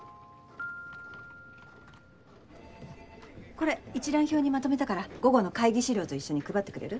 これ一覧表にまとめたから午後の会議資料と一緒に配ってくれる？